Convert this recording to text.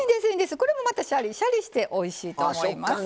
これもまたシャリシャリしておいしいと思います。